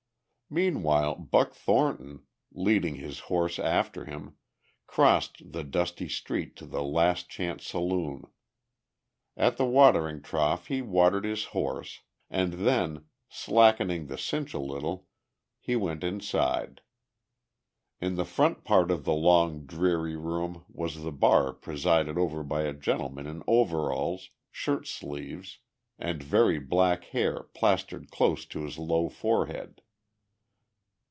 Meanwhile Buck Thornton, leading his horse after him, crossed the dusty street to the Last Chance saloon. At the watering trough he watered his horse, and then, slackening the cinch a little, he went inside. In the front part of the long, dreary room was the bar presided over by a gentleman in overalls, shirt sleeves and very black hair plastered close to his low forehead.